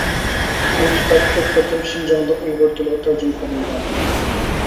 بۇ كىتاب كۆپ قېتىم شىنجاڭدا ئۇيغۇر تىلىغا تەرجىمە قىلىنغان.